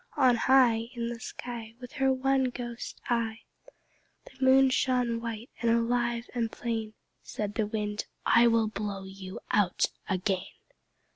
On high In the sky With her one clear eye, The Moon shone white and alive and plain. Said the Wind "I will blow you out again."